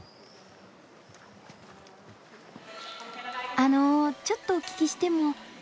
あのちょっとお聞きしても？